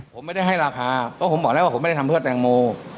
ผมไม่ได้ให้ราคาเพราะผมบอกแล้วว่าผมไม่ได้ทำเพื่อแตงโม